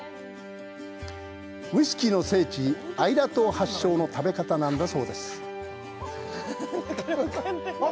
ウイスキーの聖地・アイラ島発祥の食べ方なんだそうです。